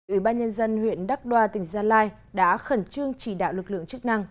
ủy ban nhân dân huyện đắc đoa tỉnh gia lai đã khẩn trương chỉ đạo lực lượng chức năng